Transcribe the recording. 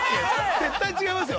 ◆絶対違いますよ。